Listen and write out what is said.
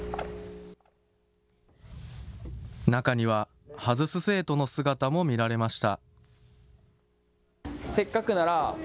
中には外す生徒の姿も見られました。